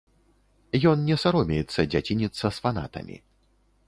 Ён не саромеецца дзяцініцца з фанатамі.